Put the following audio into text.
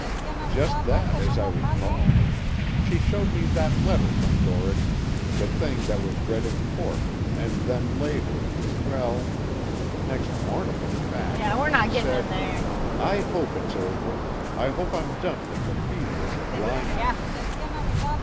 "Just that, as I recall. She showed me that letter from Doherty, the thing that was read in court, and then later well, next morning in fact, she said: 'I hope it's over. I hope I'm done with the fever and the blindness.'"